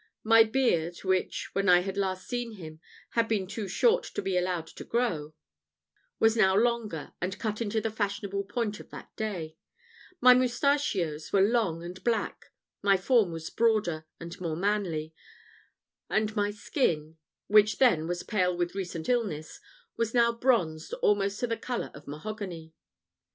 My beard, which, when I had last seen him, had been too short to be allowed to grow, was now longer, and cut into the fashionable point of that day; my mustachios were long and black; my form was broader, and more manly; and my skin, which then was pale with recent illness, was now bronzed almost to the colour of mahogany.